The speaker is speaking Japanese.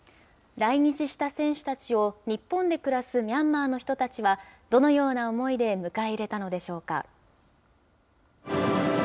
来日した選手たちを日本で暮らすミャンマーの人たちは、どのような思いで迎え入れたのでしょうか。